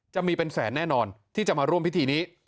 จะมีเป็นแสนแน่นอนที่จะมาร่วมพิธีนี้